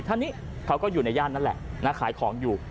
ท่านนี้เขาก็อยู่ในย่านนั่นแหละนะขายของอยู่